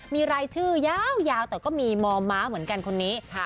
มีรายชื่อยาวแต่ก็มีมอม้าเหมือนกันคนนี้